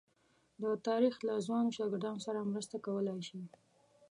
د تاریخ له ځوانو شاګردانو سره مرسته کولای شي.